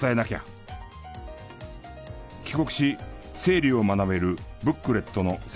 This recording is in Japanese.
帰国し生理を学べるブックレットの制作を開始。